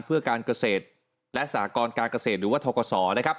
เพื่อการเกษตรและสากรการเกษตรหรือว่าทกศนะครับ